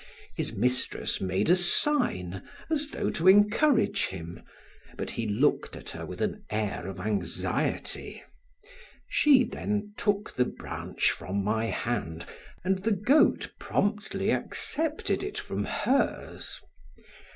His mistress made a sign as though to encourage him, but he looked at her with an air of anxiety; she then took the branch from my hand and the goat promptly accepted it from hers.